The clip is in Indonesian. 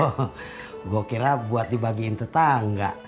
tidak ada cara buat dibagiin tetangga